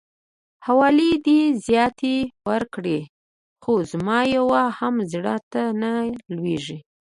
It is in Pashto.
حوالې دي زياتې ورکړلې خو زما يوه هم زړه ته نه لويږي.